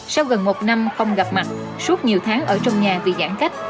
sau gần một năm không gặp mặt suốt nhiều tháng ở trong nhà bị giãn cách